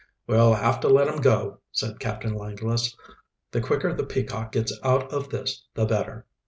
"We'll have to let him go," said Captain Langless. "The quicker the Peacock gets out of this the better."